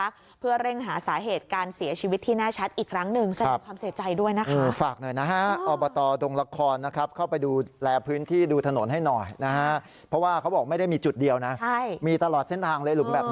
คงจะเสียหลักตกลุมนี้และสลายลง